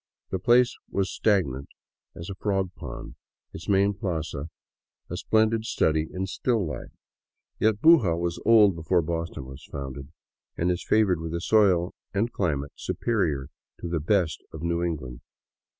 The place was stagnant as a frog pond, its main plaza a splendid study in '' still Hfe." Yet Buga was old before Boston was founded, and is favored with a soil and climate superior to the best of New Eng land.